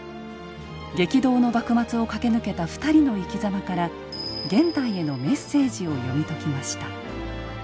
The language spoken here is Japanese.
激動の幕末を駆け抜けた２人の生きざまから現代へのメッセージを読み解きました。